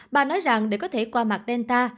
bà nói rằng để có thể qua mặt delta